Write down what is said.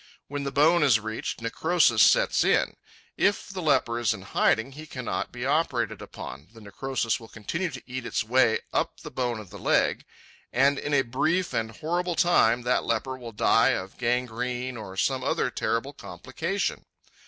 When the bone is reached, necrosis sets in. If the leper is in hiding, he cannot be operated upon, the necrosis will continue to eat its way up the bone of the leg, and in a brief and horrible time that leper will die of gangrene or some other terrible complication.